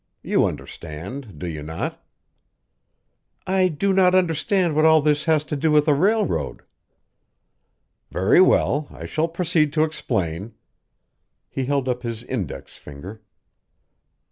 You understand, do you not?" "I do not understand what all this has to do with a railroad." "Very well I shall proceed to explain." He held up his index finger.